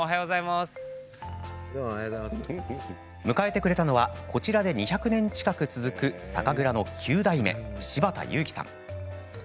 迎えてくれたのはこちらで２００年近く続く酒蔵の９代目、柴田佑紀さん。